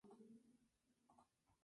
Estos laicos se denominan "Catequistas".